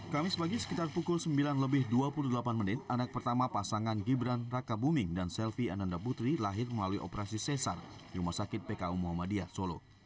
kamis pagi sekitar pukul sembilan lebih dua puluh delapan menit anak pertama pasangan gibran raka buming dan selvi ananda putri lahir melalui operasi sesar di rumah sakit pku muhammadiyah solo